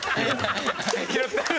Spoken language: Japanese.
拾ってる。